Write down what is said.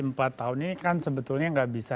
empat tahun ini kan sebetulnya nggak bisa